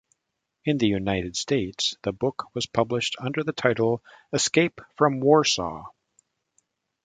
In the United States the book was published under the title "Escape from Warsaw".